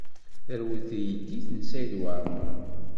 Terwel teydit n Saɛid Waɛmaṛ.